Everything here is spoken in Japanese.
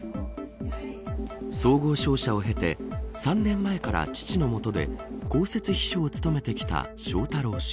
総合商社を経て３年前から父の元で公設秘書を務めてきた翔太郎氏。